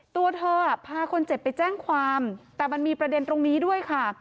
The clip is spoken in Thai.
ตัวเธอพาคนเจ็บไปแจ้งความแต่มันมีประเด็นตรงนี้ด้วยค่ะ